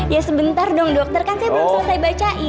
ya sebentar dong dokter kan saya belum selesai bacain